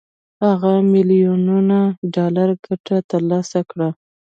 هغه میلیونونه ډالر ګټه تر لاسه کړه